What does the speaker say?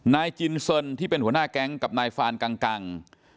นายจินเซินที่เป็นหัวหน้าแก๊งกับนายฟานกัง